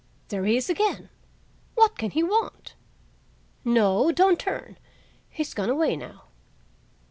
There he is again! What can he want? No, don't turn; he's gone away now."